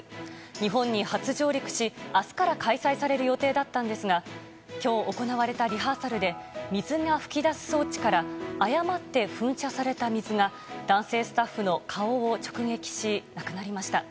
日本に初上陸し、明日から開催される予定だったんですが今日行われたリハーサルで水が噴き出す装置から誤って噴射された水が男性スタッフの顔を直撃し、亡くなりました。